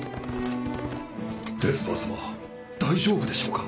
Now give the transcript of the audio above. デスパー様大丈夫でしょうか。